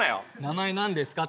名前何ですか？